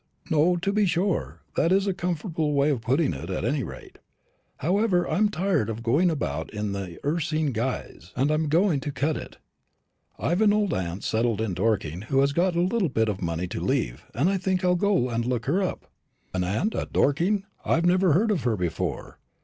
"No, to be sure; that's a comfortable way of putting it, at any rate. However, I'm tired of going about in the ursine guise, and I'm going to cut it. I've an old aunt settled at Dorking who has got a little bit of money to leave, and I think I'll go and look her up." "An aunt at Dorking! I never heard of her before."